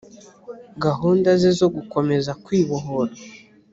gahunda ze z’ugukomeza kw’ibikorwa